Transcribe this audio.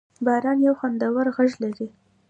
باران یو خوندور غږ لري.